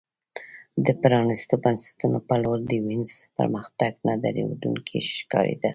د پرانیستو بنسټونو په لور د وینز پرمختګ نه درېدونکی ښکارېده